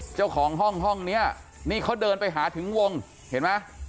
เจ้าของห้องห้องนี้นี่เขาเดินไปหาถึงวงเห็นไหม